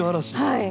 はい。